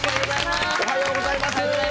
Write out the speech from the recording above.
おはようございます。